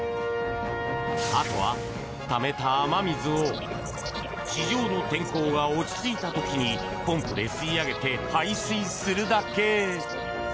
あとは、ためた雨水を地上の天候が落ち着いた時にポンプで吸い上げて排水するだけ。